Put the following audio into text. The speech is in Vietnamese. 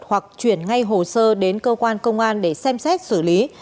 hoặc chuyển ngay hồ sơ đến cơ quan công an để xem xét xử lý